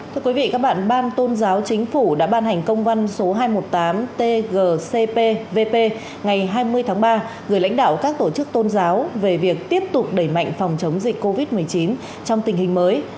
thưa quý vị các bạn ban tôn giáo chính phủ đã ban hành công văn số hai trăm một mươi tám tgcp vp ngày hai mươi tháng ba gửi lãnh đạo các tổ chức tôn giáo về việc tiếp tục đẩy mạnh phòng chống dịch covid một mươi chín trong tình hình mới